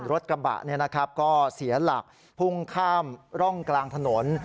รถกระบะก็เสียหลักพุ่งข้ามร่องกลางถนน